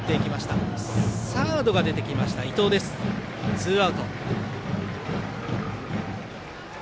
ツーアウト。